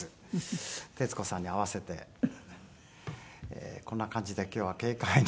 徹子さんに合わせてこんな感じで今日は軽快に。